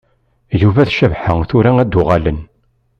Yuba d Cabḥa tura ad uɣalen.